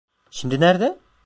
Şimdi nerede?